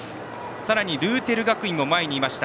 さらに、ルーテル学院も前にいました。